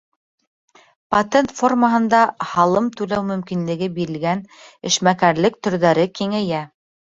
Патент формаһында һалым түләү мөмкинлеге бирелгән эшмәкәрлек төрҙәре киңәйә.